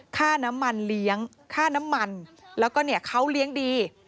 ค่าน้ำมันเลี้ยงค่าน้ำมันแล้วก็เขาเลี้ยงดี